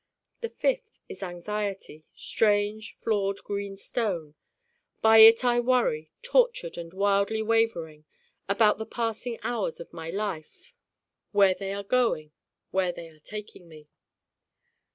the fifth is Anxiety, strange flawed green stone by it I worry, tortured and wildly wavering, about the passing hours of my life: where they are going, where they are taking me.